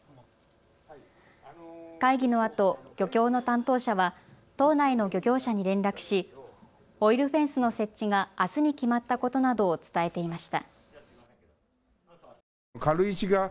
会議のあと漁協の担当者は島内の漁業者に連絡し、オイルフェンスの設置があすに決まったことなどを伝えていました。